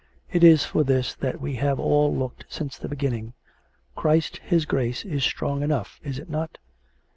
It is for this that we have all looked since the beginning. Christ His Grace is strong enough, is it not?